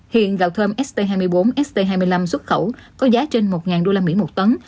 hiện gạo thơm st hai mươi bốn st hai mươi năm xuất khẩu có giá trên một usd một tấn